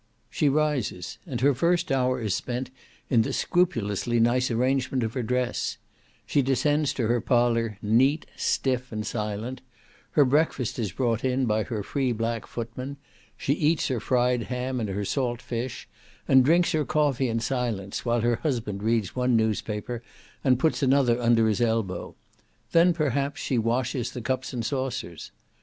She rises, and her first hour is spent in the scrupulously nice arrangement of her dress; she descends to her parlour neat, stiff, and silent; her breakfast is brought in by her free black footman; she eats her fried ham and her salt fish, and drinks her coffee in silence, while her husband reads one newspaper, and puts another under his elbow; and then, perhaps, she washes the cups and saucers.